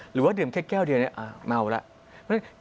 หรือว่าดื่มแค่แก้วเดียวเนี่ยเมาแล้ว